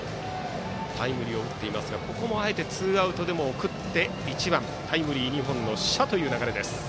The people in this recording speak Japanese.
タイムリーを打っていますがここもあえてツーアウトでも送って１番タイムリー２本の謝という流れ。